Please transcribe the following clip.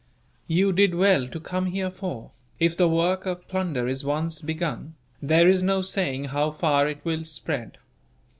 "You did well to come here for, if the work of plunder is once begun, there is no saying how far it will spread.